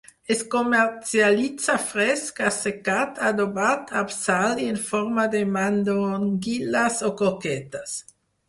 Es comercialitza fresc, assecat, adobat amb sal i en forma de mandonguilles o croquetes.